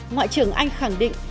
ngoại trưởng anh khẳng định